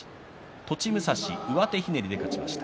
栃武蔵、上手ひねりで勝ちました。